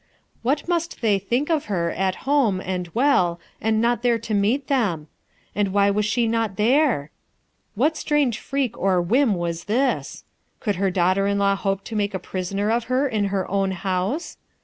What must they think of her, at home, and well, and not there to meet them? And why was she not there? What strange freak or wliim was this? Could her daughter in law hope to make a prisoner of her in her own house?